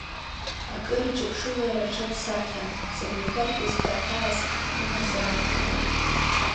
Акыр иҿаԥшылара аҽаԥсаххьан саниԥырҵуаз, ҳара хьаас ҳимазар акәхарын!